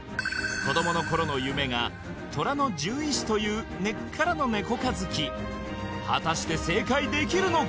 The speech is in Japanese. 子どもの頃の夢がトラの獣医師という根っからのネコ科好き果たして正解できるのか？